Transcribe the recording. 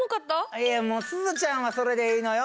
いやもうすずちゃんはそれでいいのよ。